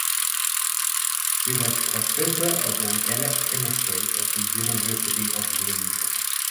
He was Professor of Organic Chemistry at the University of Leeds.